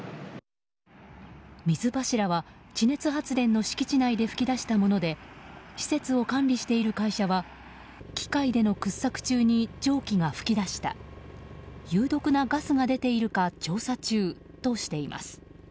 水柱は、地熱発電の敷地内で噴き出したもので施設を管理している会社は機械での掘削中に蒸気が噴き出した有毒なガスが出ているか調査中としています。